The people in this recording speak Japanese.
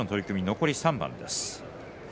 残り３番です。